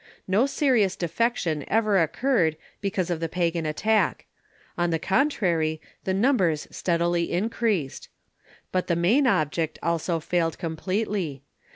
No serious defection ever oc curred because of the pagan attack. On the contrary, the numbers steadily increased. But the main object also failed completely.